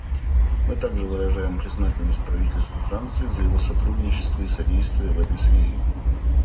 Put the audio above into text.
Мы также выражаем признательность правительству Франции за его сотрудничество и содействие в этой связи.